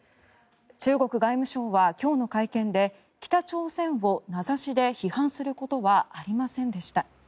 中国外務省は今日の会見で北朝鮮を名指しで批判することはありませんでした。